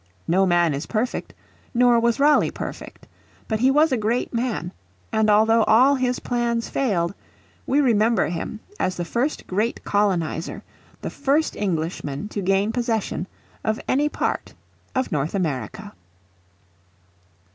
No man is perfect, nor was Raleigh perfect. But he was a great man, and although all his plans failed we remember him as the first great coloniser, the first Englishman to gain possession of any part of North America.